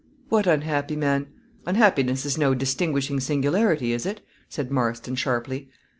"What unhappy man? Unhappiness is no distinguishing singularity, is it?" said Marston, sharply.